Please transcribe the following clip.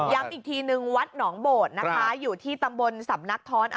ย้ำอีกทีนึงวัดหนองโบโธนะคะอยู่ที่บนสำนักธรรม